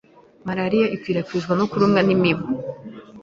Malaria ikwirakwizwa no kurumwa n'imibu